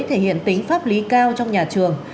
thể hiện tính pháp lý cao trong nhà trường